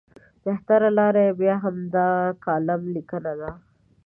بهتره لاره یې بیا همدا کالم لیکنه ده.